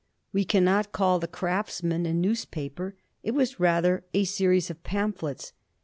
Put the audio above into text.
We cannot call the Craftsman a newspaper ; it was rather a series of pamphlets.